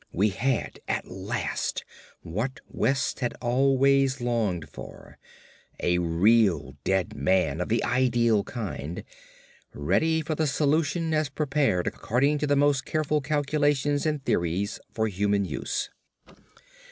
We had at last what West had always longed for—a real dead man of the ideal kind, ready for the solution as prepared according to the most careful calculations and theories for human use.